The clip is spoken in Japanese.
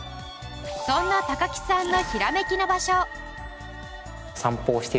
そんな高木さんの。